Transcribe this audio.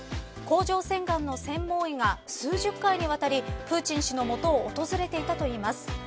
甲状腺がんの専門医が数十回にわたり、プーチン氏のもとを訪れていたといいます。